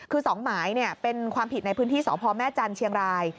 คือ๒หมายเป็นความผิดในพื้นที่สพแม่จันทร์เชียงราย